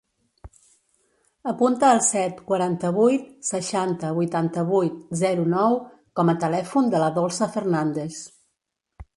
Apunta el set, quaranta-vuit, seixanta, vuitanta-vuit, zero, nou com a telèfon de la Dolça Fernandes.